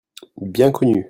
Bien connu.